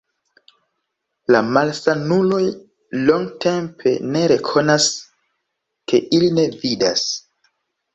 La malsanuloj longtempe ne rekonas, ke ili ne vidas.